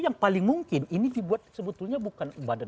yang paling mungkin ini dibuat sebetulnya bukan badan